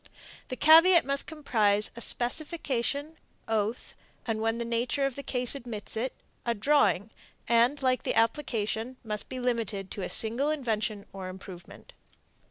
The caveat must comprise a specification, oath, and, when the nature of the case admits of it, a drawing, and, like the application, must be limited to a single invention or improvement.